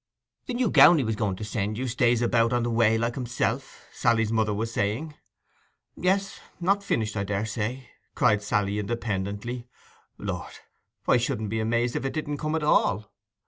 'The new gown he was going to send you stays about on the way like himself,' Sally's mother was saying. 'Yes, not finished, I daresay,' cried Sally independently. 'Lord, I shouldn't be amazed if it didn't come at all!